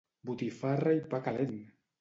Botifarra i pa calent!